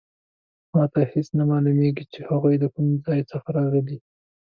ما ته هیڅ نه معلومیږي چې هغوی د کوم ځای څخه راغلي